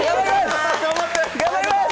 頑張ります。